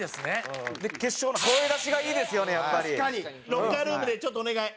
ロッカールームでちょっとお願い。